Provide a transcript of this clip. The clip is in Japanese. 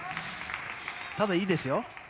ただ、いいですよ。